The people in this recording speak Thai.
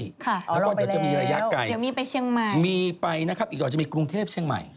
อ๋อเราไปแล้วเดี๋ยวมีไปเชียงใหม่มีไปนะครับอีกรอบจะมีกรุงเทพย์เชียงใหม่